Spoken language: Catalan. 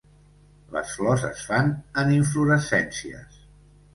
Les flors es fan en inflorescències.